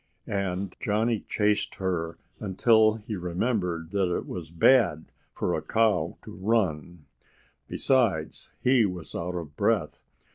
And Johnnie chased her until he remembered that it was bad for a cow to run. Besides, he was out of breath.